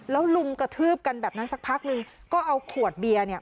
แล้วลุมกระทืบกันแบบนั้นสักพักนึงก็เอาขวดเบียร์เนี่ย